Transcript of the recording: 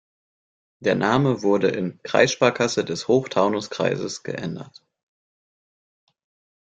Der Name wurde in „Kreissparkasse des Hochtaunuskreises“ geändert.